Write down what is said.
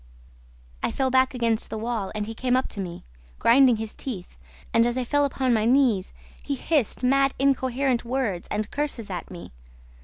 "I fell back against the wall and he came up to me, grinding his teeth, and, as I fell upon my knees, he hissed mad, incoherent words and curses at me.